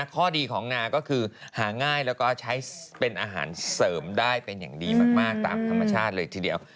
ข้อดีของนาก็คือหาง่ายแล้วก็ใช้เป็นอาหารเสริมได้เป็นอย่างดีมากตามธรรมชาติเลยทีเดียว